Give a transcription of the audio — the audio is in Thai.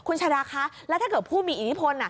คุณชาดาคะแล้วถ้าเกิดผู้มีอิทธิพล